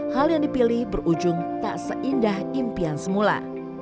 hal yang dipilih berujung tak seindah impian semula